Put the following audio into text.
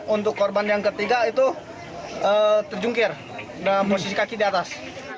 untuk korban yang ketiga itu terjungkir dalam posisi kaki di atas